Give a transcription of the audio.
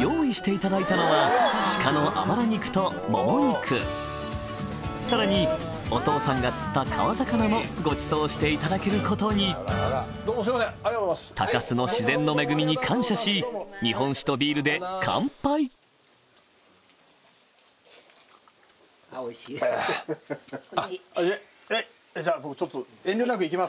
用意していただいたのはさらにお父さんが釣った川魚もごちそうしていただけることに高鷲の自然の恵みに感謝し日本酒とビールで乾杯じゃ僕ちょっと。